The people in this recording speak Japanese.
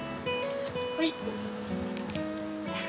はい！